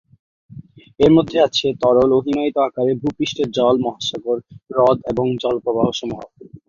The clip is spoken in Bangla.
এর মধ্যে আছে তরল ও হিমায়িত আকারে ভূপৃষ্ঠের জল, মহাসাগর, হ্রদ এবং জলপ্রবাহসমূহ।